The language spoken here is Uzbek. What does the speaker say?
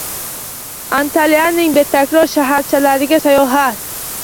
Antaliyaning betakror sharsharalariga sayohat